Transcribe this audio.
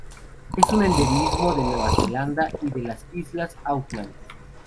Es un endemismo de Nueva Zelanda y de las Islas Auckland.